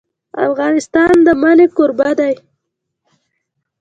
افغانستان د منی کوربه دی.